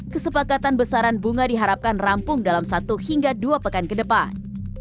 kesepakatan besaran bunga diharapkan rampung dalam satu hingga dua pekan ke depan